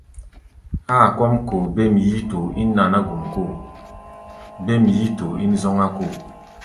Áa kɔ́ʼm koo bêm yíítoo ín naná-gun kóo, bêm yíítoo ín zɔ́ŋá-kóo.